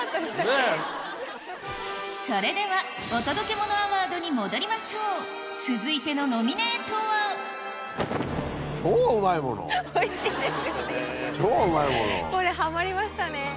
それではお届けモノアワードに戻りましょう続いてのノミネートはおいしいですよね。